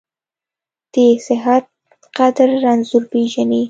د صحت قدر رنځور پېژني .